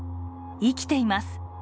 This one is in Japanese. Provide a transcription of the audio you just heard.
生きています。